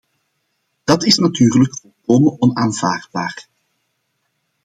Dat is natuurlijk volkomen onaanvaardbaar.